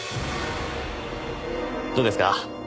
どうですか？